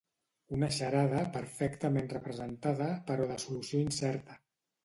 Una xarada perfectament representada, però de solució incerta.